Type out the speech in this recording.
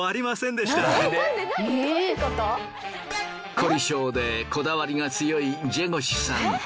凝り性でこだわりが強いジェゴシュさん。